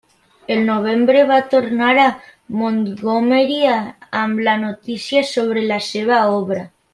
El novembre va tornar a Montgomery amb la notícia sobre la seva obra.